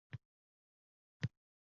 Men esa duv-duv koʻz yoshi toʻkdim